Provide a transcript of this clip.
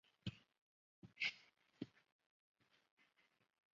治所在戎州西五百三十五里。